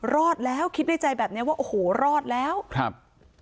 รอดแล้วคิดในใจแบบเนี้ยว่าโอ้โหรอดแล้วครับ